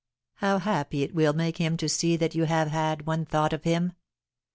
"How happy it will make him to see that you have had one thought of him!"